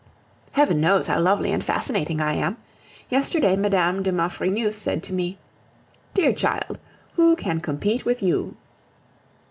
Heaven knows how lovely and fascinating I am! Yesterday Mme. de Maufrigneuse said to me: "Dear child, who can compete with you?"